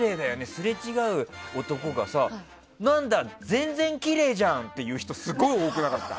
すれ違う男が何だ、全然きれいじゃん！って言う人すごい多くなかった？